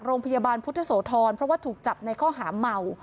โรงพยาบาลพุทธโสธรเพราะว่าถูกจับในข้อหาเมา